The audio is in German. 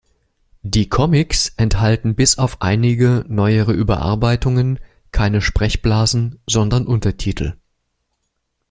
Die Comics enthalten bis auf einige neuere Überarbeitungen keine Sprechblasen, sondern Untertitel.